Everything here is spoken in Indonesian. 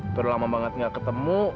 itu udah lama banget gak ketemu